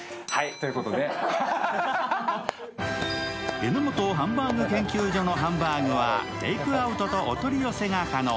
榎本ハンバーグ研究所のハンバーグはテイクアウトとお取り寄せが可能。